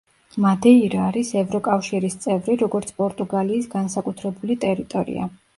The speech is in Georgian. მადეირა არის ევროკავშირის წევრი როგორც პორტუგალიის განსაკუთრებული ტერიტორია.